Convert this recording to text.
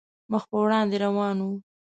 مخ په وړاندې روان وو.